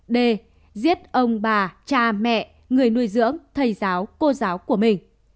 d giết ông bà cha mẹ người nuôi dưỡng thầy giáo cô giáo của mình